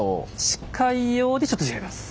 近いようでちょっと違います。